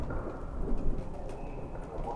এত তাড়াতাড়ি তুমি নিশ্চিত হলে কী করে?